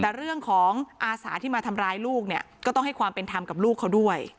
แต่เรื่องของอาสาที่มาทำร้ายลูกเนี่ยก็ต้องให้ความเป็นธรรมกับลูกเขาด้วย